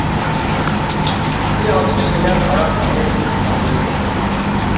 ئىككىسى ئالدى كەينىگە قاراپ قويۇپ كېتىپ قالىدۇ.